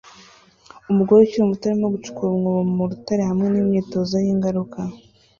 Umugore ukiri muto arimo gucukura umwobo mu rutare hamwe nimyitozo yingaruka